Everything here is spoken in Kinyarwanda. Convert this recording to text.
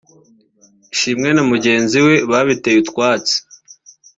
Ishimwe na mugenzi we babiteye utwatsi